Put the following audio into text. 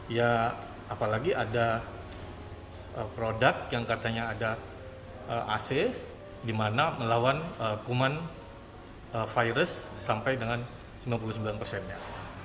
ya apalagi ada produk yang katanya ada ac dimana melawan kuman virus sampai dengan sembilan puluh sembilan persennya